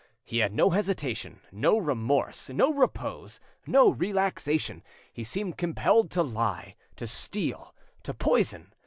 He had no hesitation, no remorse, no repose, no relaxation; he seemed compelled to lie, to steal, to poison!